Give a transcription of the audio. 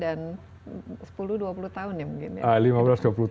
dan sepuluh dua puluh tahun ya mungkin ya